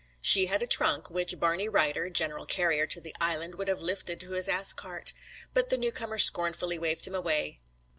She had a trunk, which Barney Ryder, general carrier to the Island, would have lifted to his ass cart, but the new comer scornfully waved him away.